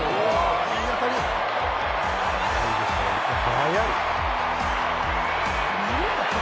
速い！